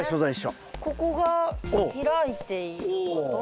ここが開いていること。